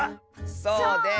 そうです！